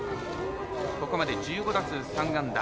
ここまで１５打数３安打。